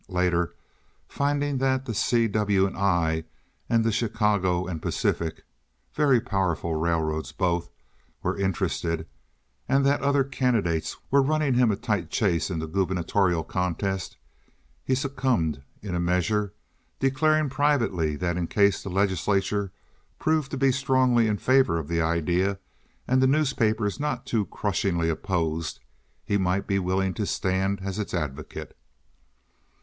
Later, finding that the C. W. & I. and the Chicago & Pacific (very powerful railroads both) were interested, and that other candidates were running him a tight chase in the gubernatorial contest, he succumbed in a measure, declaring privately that in case the legislature proved to be strongly in favor of the idea and the newspapers not too crushingly opposed he might be willing to stand as its advocate.